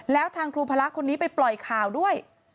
แล้วทางครูพระคนนี้ไปปล่อยข่าวด้วย